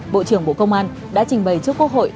bộ trưởng bộ công an đã trình bày trước quốc hội